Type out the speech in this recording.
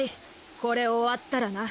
これ終わったらな。